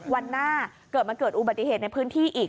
วันหน้าเกิดมาเกิดอุบัติเหตุในพื้นที่อีก